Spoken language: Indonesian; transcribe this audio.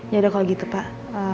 ya udah kalau gitu pak